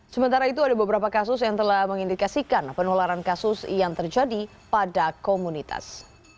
sementara itu ada beberapa kasus yang telah mengindikasikan penularan kasus yang terjadi pada komunitas